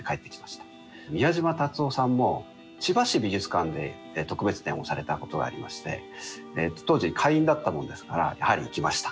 宮島達男さんも千葉市美術館で特別展をされたことがありまして当時会員だったもんですからやはり行きました。